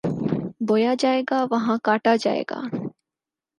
بویا جائے گا، وہاں کاٹا جائے گا۔